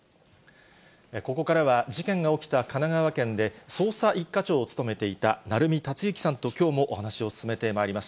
ここからは、事件が起きた神奈川県で、捜査一課長を務めていた鳴海達之さんときょうもお話を進めてまいります。